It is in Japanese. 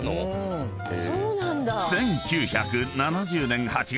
［１９７０年８月］